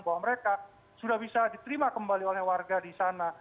bahwa mereka sudah bisa diterima kembali oleh warga di sana